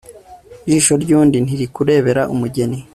ijisho ry'undi ntirikurebera umugeni